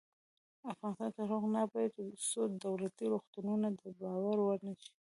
افغانستان تر هغو نه ابادیږي، ترڅو دولتي روغتونونه د باور وړ نشي.